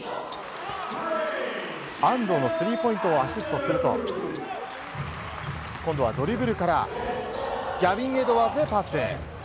安藤のスリーポイントをアシストすると今度はドリブルからギャビン・エドワーズへパス。